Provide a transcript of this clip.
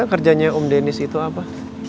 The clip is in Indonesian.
kerjanya om denis itu apa